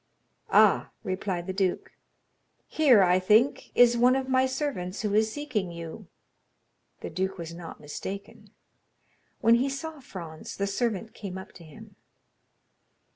"Ah," replied the duke, "here I think, is one of my servants who is seeking you." The duke was not mistaken; when he saw Franz, the servant came up to him.